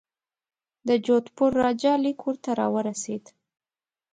د جودپور راجا لیک ورته را ورسېد.